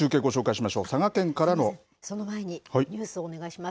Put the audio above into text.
すみません、その前に、ニュースをお願いします。